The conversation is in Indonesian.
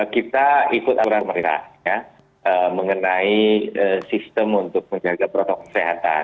kita ikut aturan meriah ya mengenai sistem untuk menjaga protokol kesehatan